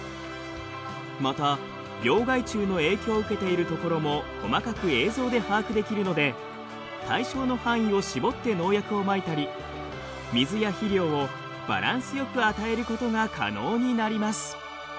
また病害虫の影響を受けている所も細かく映像で把握できるので対象の範囲を絞って農薬をまいたり水や肥料をバランスよく与えることが可能になります。